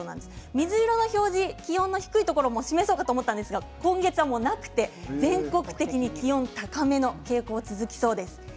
水色、気温が低いところも示そうかと思ったんですが今月はなくて、全国的に気温が高めの傾向が続きそうです。